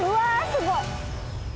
すごい。